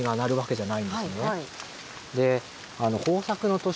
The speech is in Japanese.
はい。